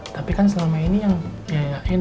tapi kan selama ini yang biayain